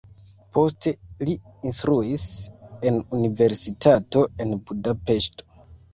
Poste li instruis en universitato en Budapeŝto.